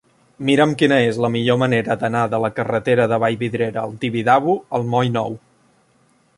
Mira'm quina és la millor manera d'anar de la carretera de Vallvidrera al Tibidabo al moll Nou.